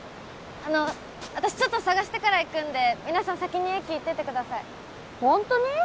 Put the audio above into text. あの私ちょっと捜してから行くんで皆さん先に駅行っててくださいホントに？